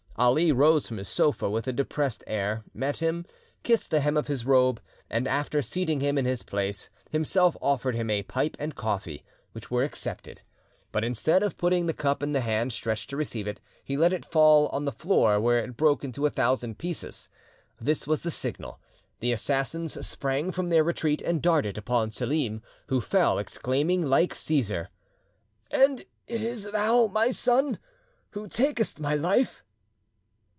Ali rose from his sofa with a depressed air, met him, kissed the hem of his robe, and, after seating him in his place, himself offered him a pipe and coffee, which were accepted. But instead of putting the cup in the hand stretched to receive it, he let it fall on the floor, where it broke into a thousand pieces. This was the signal. The assassins sprang from their retreat and darted upon Selim, who fell, exclaiming, like Caesar, "And it is thou, my son, who takest my life!"